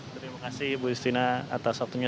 terima kasih bu justina atas waktunya